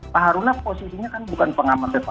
pak haruna posisinya kan bukan pengamatan